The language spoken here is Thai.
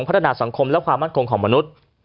พัฒนาสังคมและความมั่นคงของมนุษย์